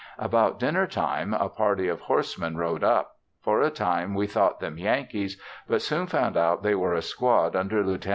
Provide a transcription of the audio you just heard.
About dinner time a party of horsemen rode up; for a time we thought them Yankees, but soon found out they were a squad under Lieut.